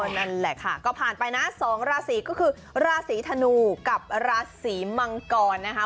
นั่นแหละค่ะก็ผ่านไปนะ๒ราศีก็คือราศีธนูกับราศีมังกรนะคะ